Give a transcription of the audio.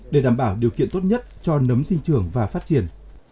để đảm bảo điều kiện tốt nhất cho nấm sinh trưởng và phát triển